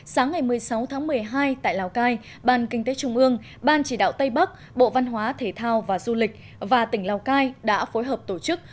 sáng ngày một mươi sáu tháng một mươi hai tại lào cai ban kinh tế trung ương ban chỉ đạo tây bắc bộ văn hóa thể thao và du lịch và tỉnh lào cai đã phối hợp tổ chức